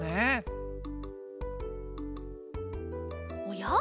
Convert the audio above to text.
おや？